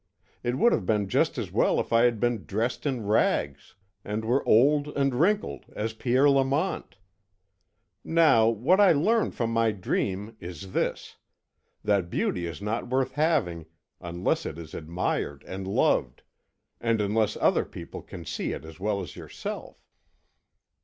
It would have been just as well if I had been dressed in rags, and were old and wrinkled as Pierre Lamont. Now, what I learn from my dream is this that beauty is not worth having unless it is admired and loved, and unless other people can see it as well as yourself."